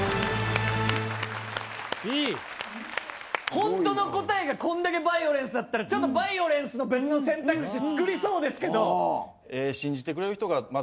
・ホントの答えがこんだけバイオレンスだったらちょっとバイオレンスの別の選択肢作りそうですけど。